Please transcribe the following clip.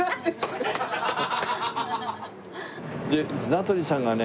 名取さんがね